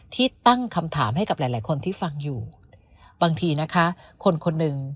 ที่ตั้งคำถามให้กับหลายหลายคนที่ฟังอยู่บางทีนะคะคนคนหนึ่ง